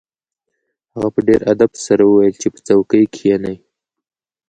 هغه په ډیر ادب سره وویل چې په څوکۍ کښیني